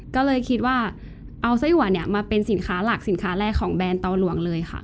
ก็เลยคิดว่าเอาไส้อัวเนี่ยมาเป็นสินค้าหลักสินค้าแรกของแบรนด์เตาหลวงเลยค่ะ